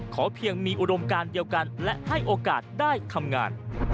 เพียงมีอุดมการเดียวกันและให้โอกาสได้ทำงาน